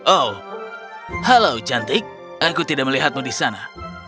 oh halo cantik aku tidak melihatmu di sana